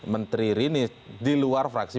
menteri rini di luar fraksi